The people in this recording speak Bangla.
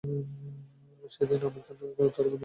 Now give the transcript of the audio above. সেই দিন আমির খান তাঁর অভিনয়ের অংশের চিত্রায়ন করেছিলেন।